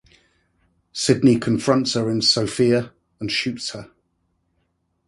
Sydney confronts her in Sofia and shoots her.